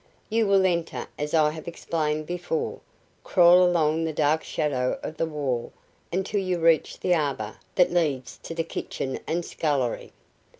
You will enter, as I have explained before, crawl along in the dark shadow of the wall until you reach the arbor that leads to the kitchen and scullery.